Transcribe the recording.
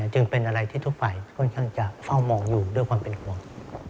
จึงเป็นอะไรที่ทุกฝ่ายค่อนข้างจะเฝ้ามองอยู่ด้วยความเป็นห่วง